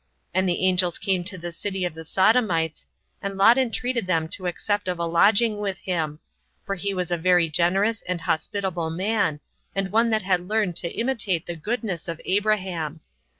And the angels came to the city of the Sodomites, and Lot entreated them to accept of a lodging with him; for he was a very generous and hospitable man, and one that had learned to imitate the goodness of Abraham.